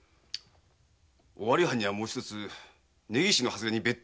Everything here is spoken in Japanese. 尾張藩にはもう一つ根岸の外れに別邸があるはず。